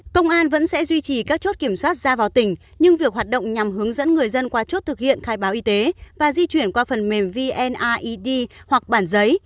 công an vẫn sẽ duy trì các chốt kiểm soát ra vào tỉnh nhưng việc hoạt động nhằm hướng dẫn người dân qua chốt thực hiện khai báo y tế và di chuyển qua phần mềm vne hoặc bản giấy